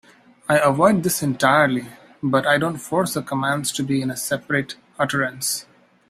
I avoid this entirely, but I don't force the commands to be in a separate utterance.